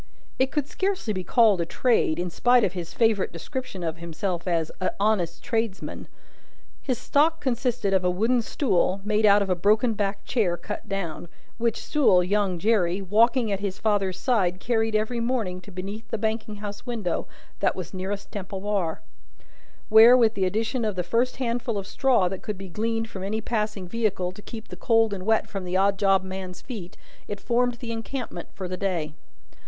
It could scarcely be called a trade, in spite of his favourite description of himself as "a honest tradesman." His stock consisted of a wooden stool, made out of a broken backed chair cut down, which stool, young Jerry, walking at his father's side, carried every morning to beneath the banking house window that was nearest Temple Bar: where, with the addition of the first handful of straw that could be gleaned from any passing vehicle to keep the cold and wet from the odd job man's feet, it formed the encampment for the day.